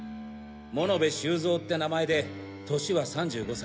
物部周三って名前で年は３５歳。